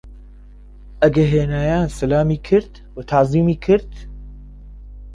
ئەگە هینایان سەلامی کرد و تەعزیمی کرد؟